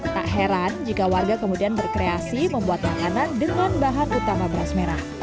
tak heran jika warga kemudian berkreasi membuat makanan dengan bahan utama beras merah